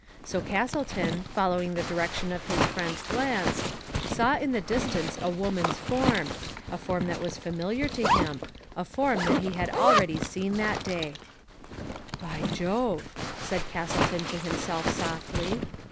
So Castleton, following the direction of his friend's glance, saw in the distance a woman's form, a form that was familiar to him, a form that he had already seen that da3\ "By Jove!" said Castleton to himself softly.